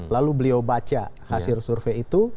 lalu beliau baca hasil survei itu